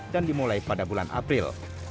dan dimulai pada bulan april